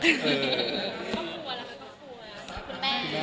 ก็กลัวแล้วก็กลัว